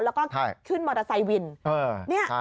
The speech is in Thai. แล้วก็ขึ้นมอเตอร์ไซค์วิน